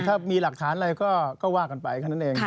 ถ้ามีหลักฐานอะไรก็ว่ากันไปแค่นั้นเอง